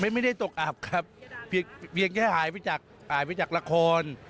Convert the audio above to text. ไม่ได้ตกอาบครับเพียงจะหายไปจากราคอน